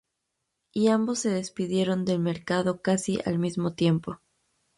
Y ambos se despidieron del mercado casi al mismo tiempo.